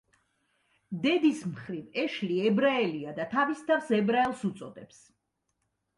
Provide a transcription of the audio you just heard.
დედის მხრივ ეშლი ებრაელია და თავის თავს ებრაელს უწოდებს.